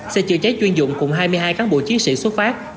xe chữa cháy chuyên dụng cùng hai mươi hai cán bộ chiến sĩ xuất phát